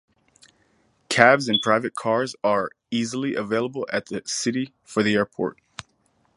Cabs and private cars are easily available at the city for the airport.